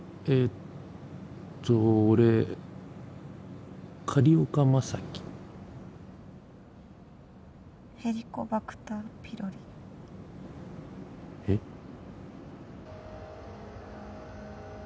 えっ？